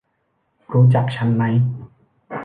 รู้จักฉันไหม ?